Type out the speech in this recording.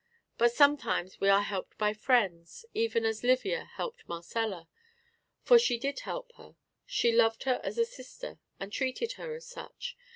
But sometimes we are helped by friends, even as Livia helped Marcella. For she did help her; she loved her as a sister, and treated her as such.